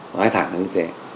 nói thẳng là như thế